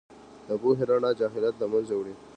د پوهې رڼا جهالت له منځه وړي.